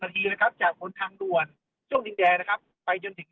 ทีนะครับจากบนทางด่วนช่วงดินแดงนะครับไปจนถึง